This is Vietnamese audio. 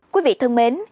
quý vị thân mến